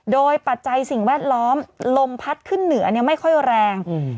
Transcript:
โดยปัจจัยสิ่งแวดล้อมลมพัดขึ้นเหนือไม่ค่อยแรง